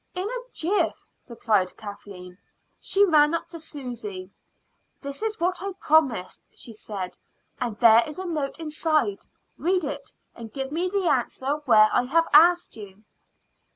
"In a jiff," replied Kathleen. She ran up to Susy. "This is what I promised," she said; "and there is a note inside. Read it, and give me the answer where I have asked you."